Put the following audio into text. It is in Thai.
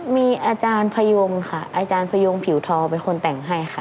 มีอาจารย์พยงค่ะอาจารย์พยงผิวทองเป็นคนแต่งให้ค่ะ